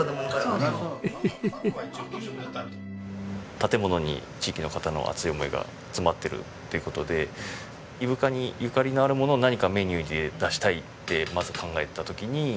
建物に地域の方の熱い思いが詰まってるっていう事で伊深に縁のあるものを何かメニューで出したいってまず考えた時に。